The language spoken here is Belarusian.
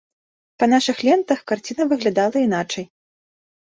Па нашых лентах карціна выглядала іначай.